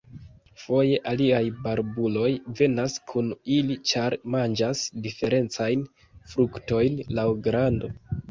Foje aliaj barbuloj venas kun ili, ĉar manĝas diferencajn fruktojn laŭ grando.